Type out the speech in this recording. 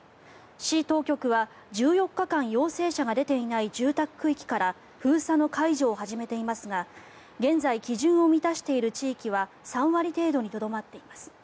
市当局は１４日間陽性者が出ていない住宅区域から封鎖の解除を始めていますが現在、基準を満たしている地域は３割程度にとどまっています。